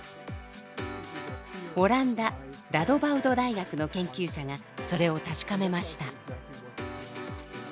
オランダラドバウド大学の研究者がそれを確かめました。